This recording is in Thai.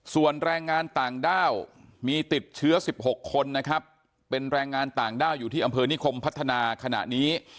ส่วนแรงงานต่างด้าวมีติดเชื้อ๑๖คนนะครับเป็นแรงงานต่างด้าวอยู่ที่อำเภอนิคมพัฒนาขณะนี้